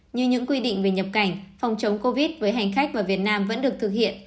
như những quy định về nhập cảnh phòng chống covid với hành khách vào việt nam vẫn được thực hiện